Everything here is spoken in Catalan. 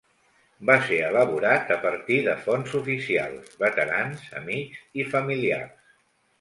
Va ser elaborat a partir de fonts oficials, veterans, amics i familiars.